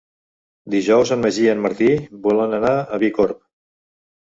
Dijous en Magí i en Martí volen anar a Bicorb.